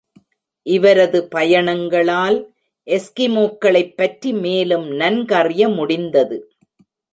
இவரது பயணங்களால் எஸ்கிமோக்களைப்பற்றி மேலும் நன்கறிய முடிந்தது.